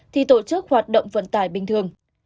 thì tổ chức hoạt động vận tải bình thường